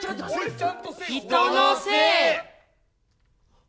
人のせい！